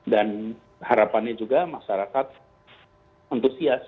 dan harapannya juga masyarakat entusias